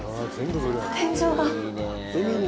天井が。